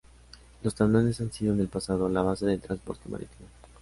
Los tablones han sido en el pasado, la base del transporte marítimo.